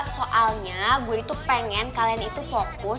soalnya gue itu pengen kalian itu fokus